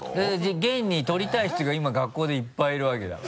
現に撮りたい人が今学校でいっぱいいるわけだから。